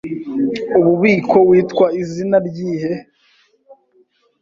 Ububiko witwa izina ryihe?